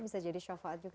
bisa jadi syafaat juga